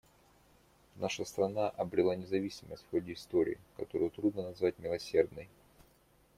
Наша страна обрела независимость в ходе истории, которую трудно назвать милосердной.